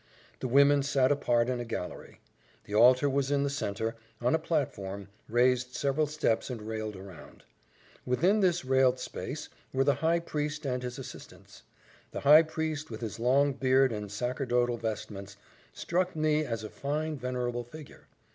The women sat apart in a gallery. The altar was in the centre, on a platform, raised several steps and railed round. Within this railed space were the high priest and his assistants. The high priest with his long beard and sacerdotal vestments, struck me as a fine venerable figure.